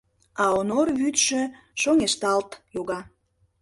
А Онор вӱдшӧ шоҥешталт йога.